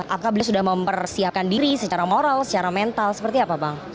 apakah beliau sudah mempersiapkan diri secara moral secara mental seperti apa bang